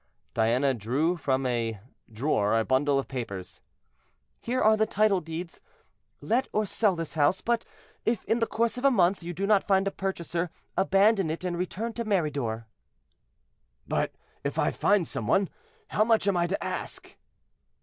Diana drew from a drawer a bundle of papers. "Here are the title deeds; let or sell this house; but if, in the course of a month, you do not find a purchaser, abandon it and return to Meridor." "But if I find some one, how much am I to ask?"